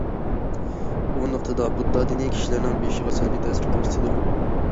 بۇ نۇقتىدا بۇددا دىنى كىشىلەرنىڭ بېيىشىغا سەلبىي تەسىر كۆرسىتىدۇ.